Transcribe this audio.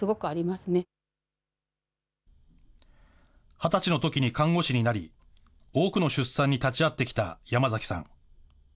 ２０歳のときに看護師になり、多くの出産に立ち会ってきた山嵜さん。